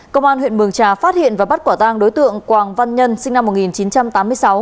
công an huyện mường trà phát hiện và bắt quả tang đối tượng quảng văn nhân sinh năm một nghìn chín trăm tám mươi sáu